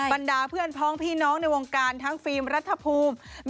บรรดาเพื่อนพ้องพี่น้องในวงการทั้งฟิล์มรัฐภูมิ